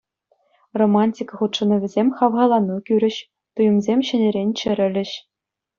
Романтика хутшӑнӑвӗсем хавхалану кӳрӗҫ, туйӑмсем ҫӗнӗрен чӗрӗлӗҫ.